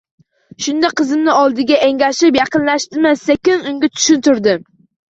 Shunda qizimni oldiga engashib yaqinlashdimda, sekin unga tushuntirdim.